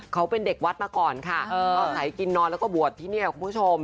เขาเป็นเด็กวัดมาก่อนค่ะอาศัยกินนอนแล้วก็บวชที่นี่คุณผู้ชม